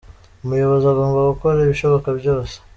Umuyobozi agomba gukora ibishoboka byose